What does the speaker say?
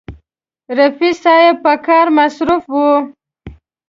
رفیع صاحب په کار مصروف و.